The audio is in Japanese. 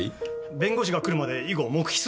弁護士が来るまで以後黙秘するから。